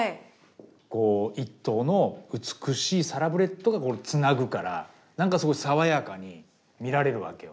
こう一頭の美しいサラブレッドがつなぐから何かすごい爽やかに見られるわけよ